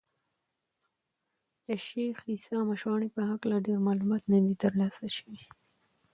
د شېخ عیسي مشواڼي په هکله ډېر معلومات نه دي تر لاسه سوي دي.